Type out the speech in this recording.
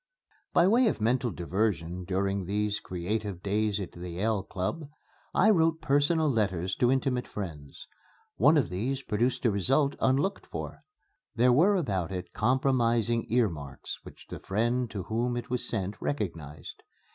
By way of mental diversion during these creative days at the Yale Club, I wrote personal letters to intimate friends. One of these produced a result unlooked for. There were about it compromising earmarks which the friend to whom it was sent recognized.